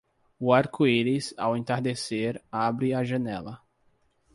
O arco-íris ao entardecer abre a janela.